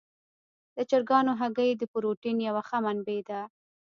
د چرګانو هګۍ د پروټین یوه ښه منبع ده.